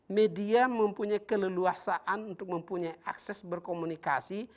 media mempunyai keleluasaan untuk mempunyai akses berkomunikasi